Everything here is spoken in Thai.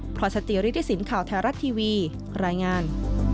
ครอสเตียร์ริดิสินข่าวไทยรัฐทีวีรายงาน